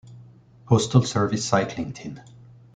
Postal Service cycling team.